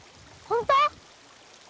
本当？